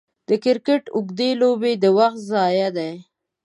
د کرکټ اوږدې لوبې د وخت ضايع دي.